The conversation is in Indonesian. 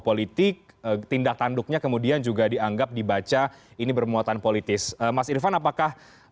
politik tindak tanduknya kemudian juga dianggap dibaca ini bermuatan politis mas irvan apakah